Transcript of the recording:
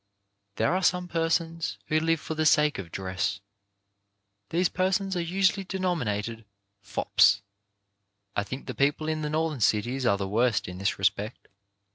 There are some persons who live for the sake of dress. These persons are usually denominated "fops. " I think the people in the Northern cities are the worst in this respect.